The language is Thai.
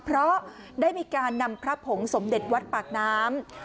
เพราะได้มีการนำพระผงสมเด็จวัดปากน้ำ